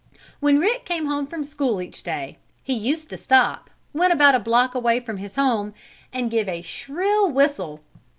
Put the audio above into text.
When Rick came home from school each day he used to stop, when about a block away from his home, and give a shrill whistle.